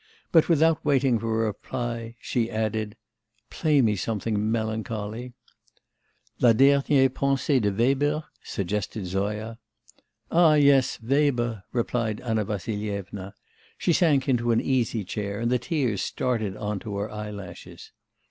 but, without waiting for a reply, she added: 'Play me something melancholy.' 'La dernière pensée de Weber?' suggested Zoya. 'Ah, yes, Weber,' replied Anna Vassilyevna. She sank into an easy chair, and the tears started on to her eyelashes.